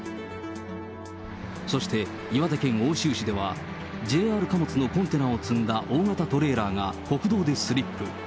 そして岩手県奥州市では、ＪＲ貨物のコンテナを積んだ大型トレーラーが、国道でスリップ。